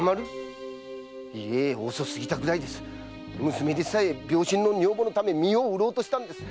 娘でさえ病身の女房のため身を売ろうとしたんです。